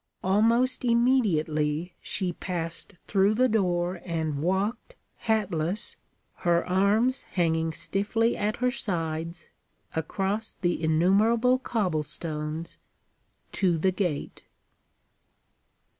Almost immediately she passed through the door and walked, hatless, her arms hanging stiffly at her sides, across the innumerable cobblestones, to the gate.